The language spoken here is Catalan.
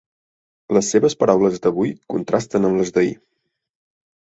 Les seves paraules d'avui contrasten amb les d'ahir.